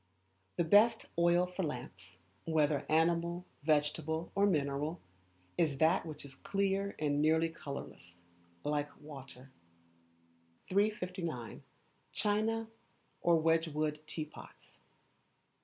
The Best Oil for Lamps, whether animal, vegetable, or mineral, is that which is clear and nearly colourless, like water. 359. China or Wedgwood Teapots.